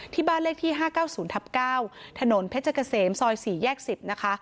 ที่บ้านเลขที่๕๙๐ทับ๙ถนนเพชรเกษมซอย๔แยก๑๐นะคะ